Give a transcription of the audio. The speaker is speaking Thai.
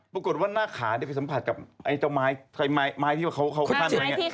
ปรากฏว่าหน้าขาได้ไปสัมผัสกับไม้ที่เขาคาดนี้